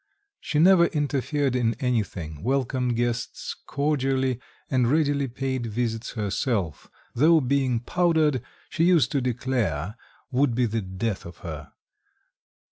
She never interfered in anything, welcomed guests cordially, and readily paid visits herself, though being powdered, she used to declare, would be the death of her.